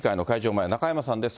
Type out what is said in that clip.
前、中山さんです。